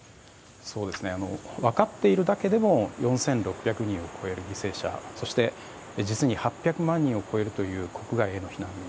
分かっているだけでも４６００人を超える犠牲者、そして実に８００万人を超えるという国外への避難。